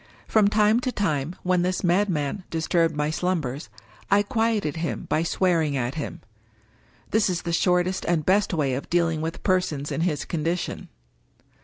From time to time, when 265 English Mystery Stories this madman disturbed my slumbers, I quieted him by swearing at him. This is the shortest and best way of deal ing with persons in his condition.